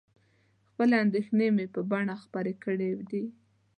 خپلې اندېښنې مې په بڼه خپرې کړي دي.